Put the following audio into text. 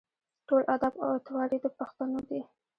ټول اداب او اطوار یې د پښتنو دي.